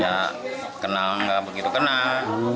ya kenal nggak begitu kenal